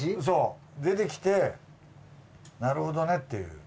そう出てきてなるほどねっていう。